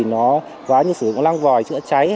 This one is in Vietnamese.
nó quá như sử dụng lăng vòi chữa cháy